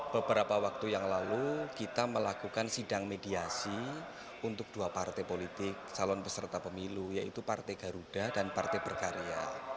beberapa waktu yang lalu kita melakukan sidang mediasi untuk dua partai politik calon peserta pemilu yaitu partai garuda dan partai berkarya